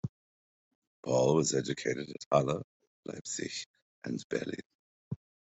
Paul was educated at Halle, Leipzig, and Berlin.